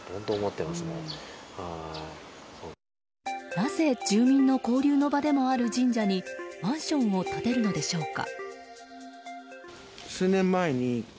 なぜ、住民の交流の場でもある神社にマンションを建てるのでしょうか。